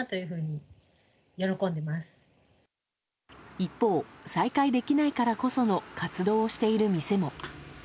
一方、再開できないからこその活動をしている店も。